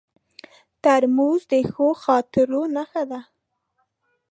ترموز د ښو خاطرو نښه ده.